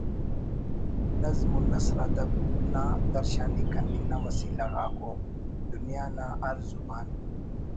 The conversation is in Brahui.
نظم و نثر ادب نا درشانی کننگ نا وسیلہ غاک ءُ دنیا نا ہر زبان